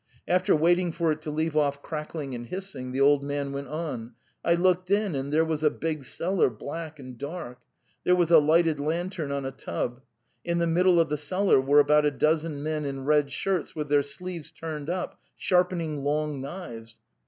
After waiting for it to leave off crackling and hissing, the old man went on: 'I looked in and there was a big cellar, black and dark. ... There was a lighted lantern on a tub. In the middle of the cellar were about a dozen men in red shirts with their sleeves turned up, sharpening long knives.